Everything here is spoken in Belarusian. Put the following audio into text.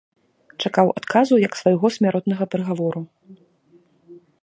Чакаў адказу як свайго смяротнага прыгавору.